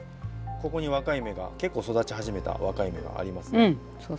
ここに若い芽が結構育ち始めた若い芽がありますので。